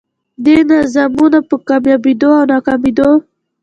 دې نظامونو په کاميابېدو او ناکامېدو